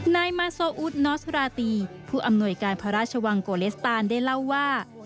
นายมาโซอุดนอสราตีผู้อำนวยการพระราชวังโกเลสตานได้เล่าว่า